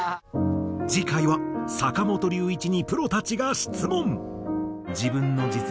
次回は坂本龍一にプロたちが質問。